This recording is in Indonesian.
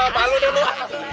palu deh tua